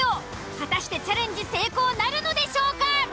果たしてチャレンジ成功なるのでしょうか？